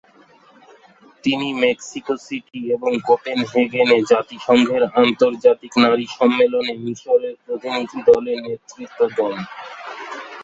তিনি Mexico City এবং কোপেনহেগেনে জাতিসংঘের আন্তর্জাতিক নারী সম্মেলনে মিশরের প্রতিনিধি দলের নেতৃত্ব দেন।